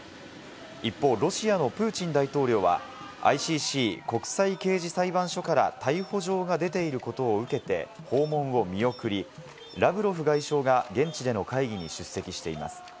一方、ロシアのプーチン大統領はＩＣＣ＝国際刑事裁判所から逮捕状が出ていることを受けて、訪問を見送り、ラブロフ外相が現地での会議に出席しています。